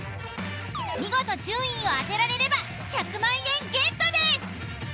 見事順位を当てられれば１００万円ゲットです。